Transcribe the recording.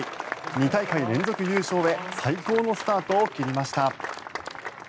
２大会連続優勝へ最高のスタートを切りました。